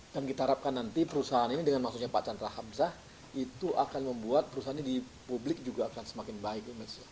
dan kita harapkan nanti perusahaan ini dengan maksudnya pak chandra hamzah itu akan membuat perusahaan ini di publik juga akan semakin baik